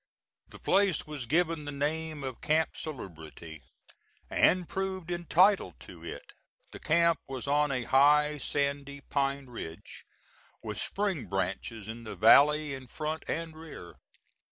The place was given the name of Camp Salubrity, and proved entitled to it. The camp was on a high, sandy, pine ridge, with spring branches in the valley, in front and rear.